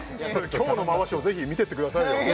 今日の回しをぜひ見てってくださいよああ